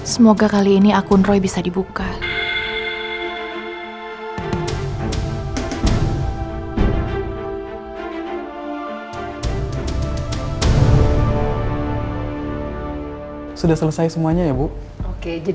semoga kali ini akun roy bisa dibuka